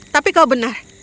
tapi kau benar